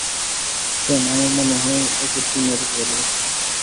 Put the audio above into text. স্ট্যান, আমার মনে হয়, ও সত্যিই মেয়েটাকে ভালবাসত।